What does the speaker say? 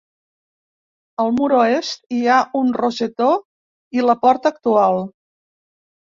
Al mur oest hi ha un rosetó i la porta actual.